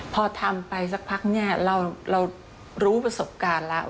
พอทำไปสักพักเนี่ยเรารู้ประสบการณ์แล้ว